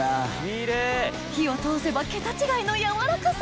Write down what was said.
火を通せば桁違いの軟らかさ！